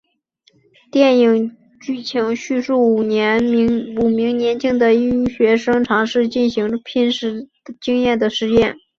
电影剧情叙述五名年轻的医学生尝试进行濒死经验的实验。